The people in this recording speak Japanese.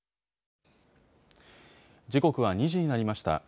時刻は２時になりました。